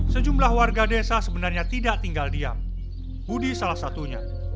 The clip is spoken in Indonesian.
sejumlah warga desa sebenarnya tidak tinggal diam budi salah satunya